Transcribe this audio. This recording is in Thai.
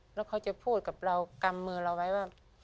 แล้วเขาจะพูดกับเรากำมือเราไว้ว่า